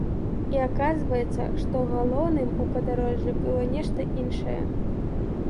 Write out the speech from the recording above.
І аказваецца, што галоўным у падарожжы было нешта іншае.